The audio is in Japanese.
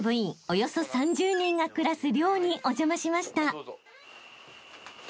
およそ３０人が暮らす寮にお邪魔しました］